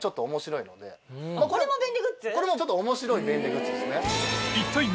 これもちょっと面白い便利グッズですね。